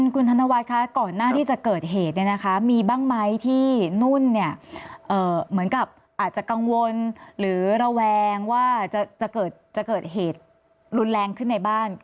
คุณธนวัฒน์คะก่อนหน้าที่จะเกิดเหตุเนี่ยนะคะมีบ้างไหมที่นุ่นเนี่ยเหมือนกับอาจจะกังวลหรือระแวงว่าจะเกิดเหตุรุนแรงขึ้นในบ้าน